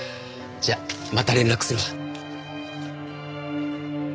じゃあまた連絡するわ。